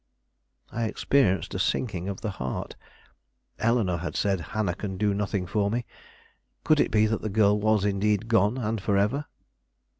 I experienced a sinking of the heart. Eleanore had said: "Hannah can do nothing for me." Could it be that the girl was indeed gone, and forever?